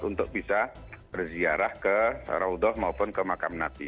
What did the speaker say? untuk bisa berziarah ke raudoh maupun ke makam nabi